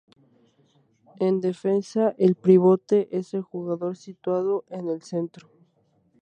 En defensa, el pivote es el jugador situado en el centro.